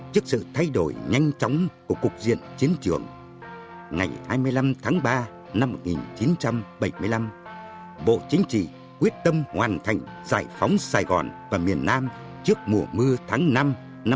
trước sự thay đổi nhanh chóng của cục diện chiến trường ngày hai mươi năm tháng ba năm một nghìn chín trăm bảy mươi năm bộ chính trị quyết tâm hoàn thành giải phóng sài gòn và miền nam trước mùa mưa tháng năm năm một nghìn chín trăm năm mươi bốn